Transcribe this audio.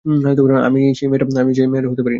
আমি সেই মেয়েটা হতে পারি না!